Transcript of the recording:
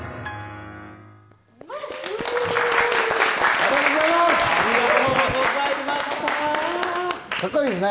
ありがとうございます！